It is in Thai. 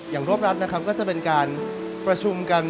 รวบรัดนะครับก็จะเป็นการประชุมกัน